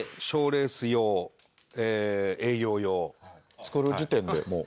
作る時点でもう？